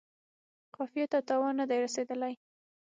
قافیې ته تاوان نه دی رسیدلی.